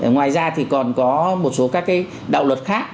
ngoài ra thì còn có một số các cái đạo luật khác